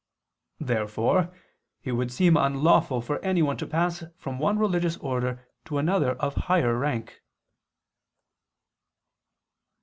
Therefore it would seem unlawful for anyone to pass from one religious order to another of higher rank.